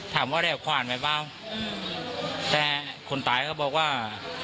ถามว่าได้ขวานไปเปล่าแต่คนตายก็บอกว่า